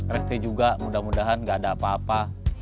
resty juga mudah mudahan gak ada apa apa